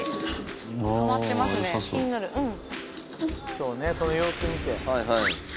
そうねその様子見て。